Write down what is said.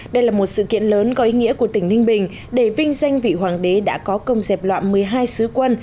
đây là một sự kiện lớn có ý nghĩa của tỉnh ninh bình để vinh danh vị hoàng đế đã có công dẹp loạn một mươi hai sứ quân